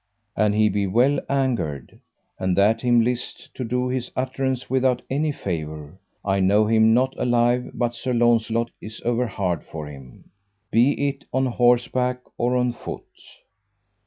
An he be well angered, and that him list to do his utterance without any favour, I know him not alive but Sir Launcelot is over hard for him, be it on horseback or on foot.